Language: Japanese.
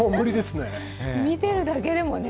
見ているだけでもね。